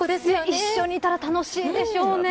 一緒にいたら楽しいでしょうね。